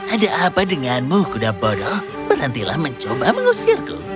ada apa denganmu kuda bodoh berhentilah mencoba mengusirku